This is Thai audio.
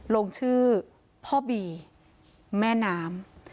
ลงชื่อพ่อบีแม่น้ำ